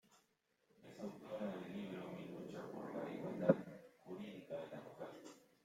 Es autora del libro "Mi lucha por la igualdad jurídica de la mujer".